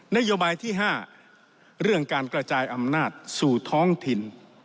นโยบายที่๕เรื่องการกระจายอำนาจสู่ท้องถิ่น